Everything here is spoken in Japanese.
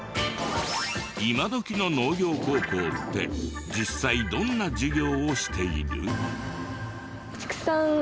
今どきの農業高校って実際どんな授業をしている？